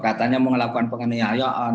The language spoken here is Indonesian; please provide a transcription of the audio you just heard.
katanya melakukan penganiayaan